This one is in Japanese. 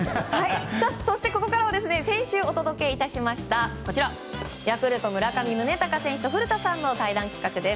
そしてここからは先週お届けいたしましたヤクルト村上宗隆選手と古田さんの対談企画です。